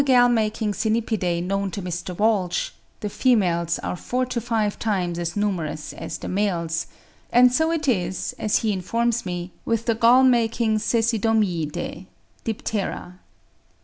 In all the gall making Cynipidae known to Mr. Walsh, the females are four or five times as numerous as the males; and so it is, as he informs me, with the gall making Cecidomyiidae (Diptera).